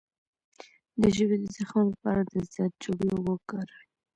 د ژبې د زخم لپاره د زردچوبې اوبه وکاروئ